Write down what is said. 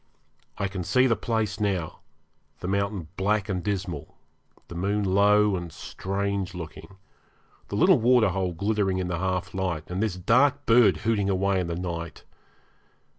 I can see the place now the mountain black and dismal, the moon low and strange looking, the little waterhole glittering in the half light, and this dark bird hooting away in the night.